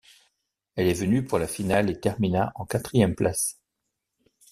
Elle est venue pour la finale et termina en quatrième place.